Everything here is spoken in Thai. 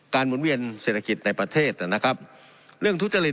หมุนเวียนเศรษฐกิจในประเทศนะครับเรื่องทุจริต